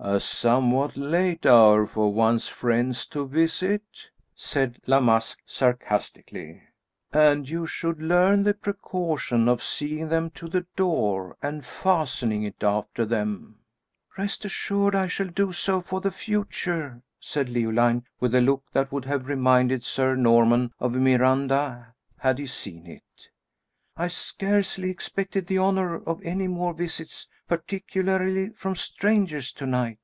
"A somewhat late hour for one's friends to visit," said La Masque, sarcastically; "and you should learn the precaution of seeing them to the door and fastening it after them." "Rest assured, I shall do so for the future," said Leoline, with a look that would have reminded Sir Norman of Miranda had he seen it. "I scarcely expected the honor of any more visits, particularly from strangers to night."